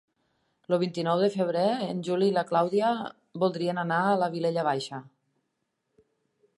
El vint-i-nou de febrer en Juli i na Clàudia voldrien anar a la Vilella Baixa.